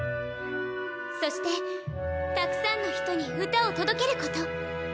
そしてたくさんの人に歌を届けること。